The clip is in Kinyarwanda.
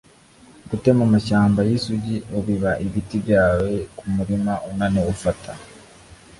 gutema amashyamba yisugi, ubiba ibiti byawe kumurima unaniwe ufata